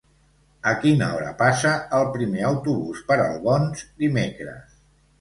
A quina hora passa el primer autobús per Albons dimecres?